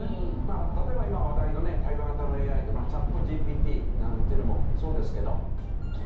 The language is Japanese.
例えば今話題のね対話型のＡＩチャットＧＰＴなんていうのもそうですけど。